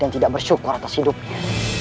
tidak bersyukur atas hidupnya